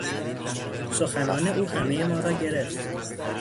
سخنان او همهی ما را گرفت.